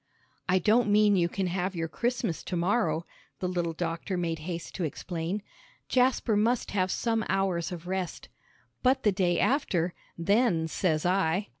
"I don't mean you can have your Christmas to morrow," the little doctor made haste to explain. "Jasper must have some hours of rest. But the day after then says I."